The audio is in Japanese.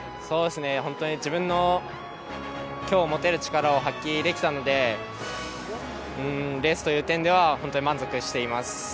そうですね、本当に自分のきょう持てる力を発揮できたので、レースという点では、本当に満足しています。